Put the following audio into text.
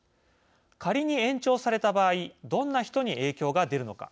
仮に延長された場合どんな人に影響が出るのか。